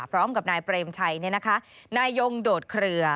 พร้อมกับนายเปรมชัยนายยงโดดเครือ